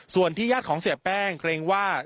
ส่วนที่ญาติของเสียแป้งเกรงว่า